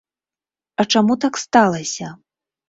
А чаму так сталася?